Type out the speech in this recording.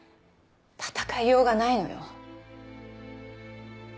戦いようがないのよ。